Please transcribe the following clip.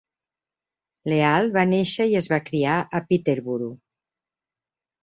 Leal va néixer i es va criar a Peterborough.